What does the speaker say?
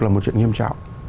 là một chuyện nghiêm trọng